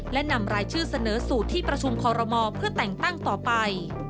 และนำรายชื่อเสนอสู่ที่ประชุมคอรมอเพื่อแต่งตั้งต่อไป